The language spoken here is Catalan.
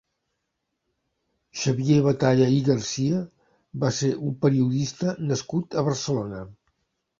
Xavier Batalla i Garcia va ser un periodista nascut a Barcelona.